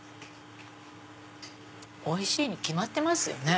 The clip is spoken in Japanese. おいしいに決まってますよね。